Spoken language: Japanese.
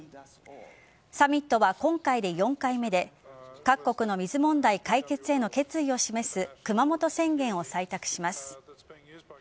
サミットは今回で４回目で各国の水問題解決への決意を示す熊本宣言を採択します。